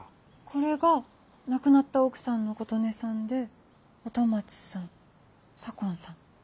これが亡くなった奥さんの琴音さんで音松さん左紺さん。